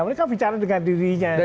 mereka bicara dengan dirinya